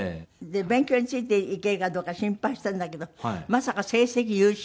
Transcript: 勉強についていけるかどうか心配したんだけどまさか成績優秀。